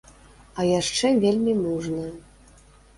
А яшчэ вельмі мужная.